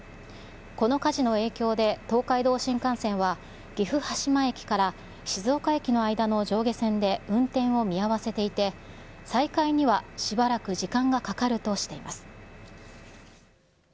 この火事の影響で、東海道新幹線は岐阜羽島駅から静岡駅の間の上下線で運転を見合わせていて、再開にはしばらく時間がかかるとしています。